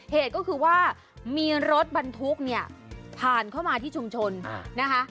เหตุก็คือว่ามีรถบรรทุกเนี่ยผ่านเข้ามาที่ชุมชนนะคะ